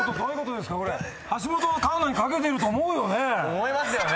⁉思いますよね。